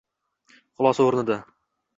Xulosa o‘rnida